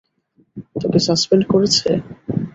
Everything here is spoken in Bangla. তোকে সাসপেন্ড করেছে?